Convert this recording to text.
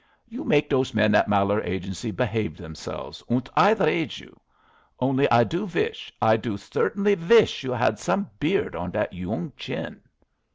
You make those men at Malheur Agency behave themselves und I r raise you. Only I do vish, I do certainly vish you had some beard on that yoong chin."